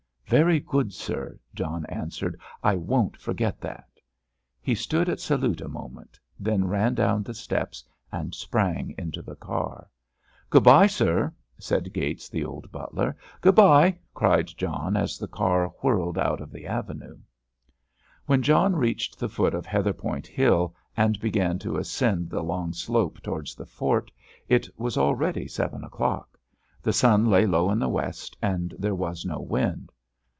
"Very good, sir," John answered, "I won't forget that." He stood at salute a moment, then ran down the steps and sprang into the car. "Good bye, sir," said Gates, the old butler. "Good bye," cried John as the car whirled out of the avenue. When John reached the foot of Heatherpoint Hill, and began to ascend the long slope towards the fort, it was already seven o'clock. The sun lay low in the west, and there was no wind.